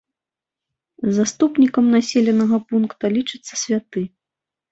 Заступнікам населенага пункта лічыцца святы.